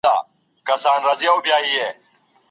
هرې تراژيدۍ به زه ډېر ځورولم.